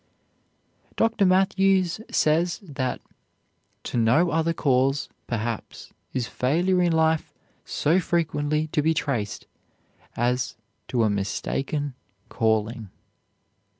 Dr. Matthews says that "to no other cause, perhaps, is failure in life so frequently to be traced as to a mistaken calling."